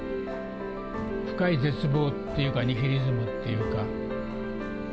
深い絶望っていうか、ニヒリズムっていうか。